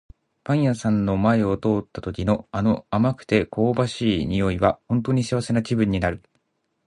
パン屋さんの前を通った時の、あの甘くて香ばしい匂いは本当に幸せな気分になる。